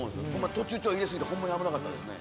途中入れ過ぎてホンマに危なかったけどね。